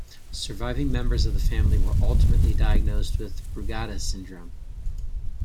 Surviving members of the family were ultimately diagnosed with Brugada syndrome.